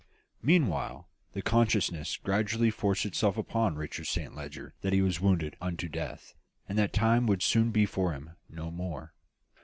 "Meanwhile, the consciousness gradually forced itself upon Richard Saint Leger that he was wounded unto death, and that time would soon be for him no more.